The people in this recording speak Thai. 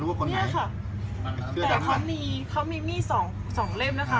แต่เขามี๒เล่มนะคะ